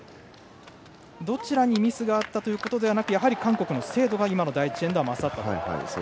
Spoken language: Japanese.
どちらにミスがあったということではなく韓国の精度が今の第１エンドは勝ったと。